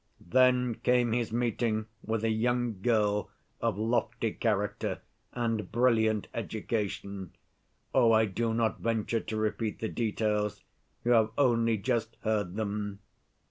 "Then came his meeting with a young girl of lofty character and brilliant education. Oh, I do not venture to repeat the details; you have only just heard them.